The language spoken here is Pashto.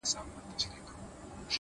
• اوس مي حافظه ډيره قوي گلي ـ